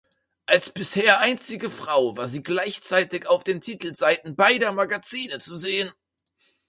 Als bisher einzige Frau war sie gleichzeitig auf den Titelseiten beider Magazine zu sehen.